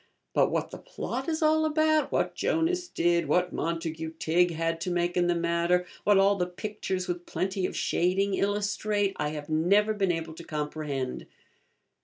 But what the plot is all about, what Jonas did, what Montagu Tigg had to make in the matter, what all the pictures with plenty of shading illustrate, I have never been able to comprehend.